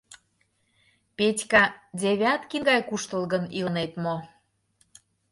Петька Девяткин гай куштылгын илынет мо?